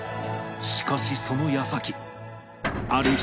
しかしその矢先